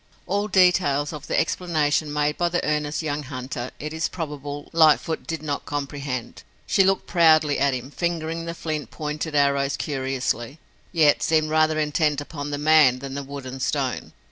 All details of the explanation made by the earnest young hunter, it is probable, Lightfoot did not comprehend. She looked proudly at him, fingering the flint pointed arrows curiously, yet seemed rather intent upon the man than the wood and stone.